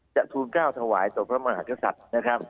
จะทูลก้าวถวายต่อพระมหากษัตริย์